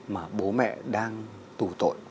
mà bố mẹ đang tù tội